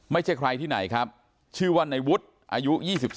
ไม่ใช่ใครที่ไหนครับชื่อว่าในวุฒิอายุ๒๓